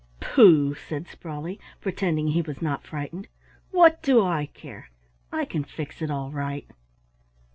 "Pooh," said Sprawley, pretending he was not frightened, "what do I care? I can fix it all right."